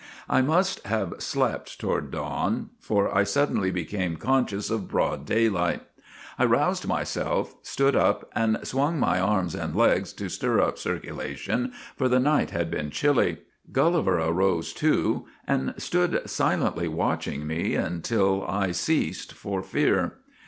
' I must have slept toward dawn, for I suddenly became conscious of broad daylight. I roused my self, stood up, and swung my arms and legs to stir up circulation, for the night had been chilly. Gulli ver arose, too, and stood silently watching me until I ceased for fear.